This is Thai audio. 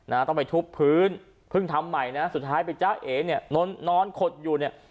ต้องไปทุบพื้นเพิ่งทำใหม่นะสุดท้ายไปจ้าเอเนี่ยนอนนอนขดอยู่เนี่ย